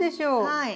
はい。